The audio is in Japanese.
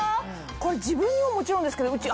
これ自分にももちろんですけどうち